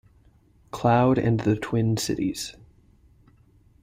Cloud and the Twin Cities.